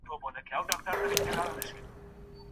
ورزش کول د انسان د ژوند کیفیت ښه کوي.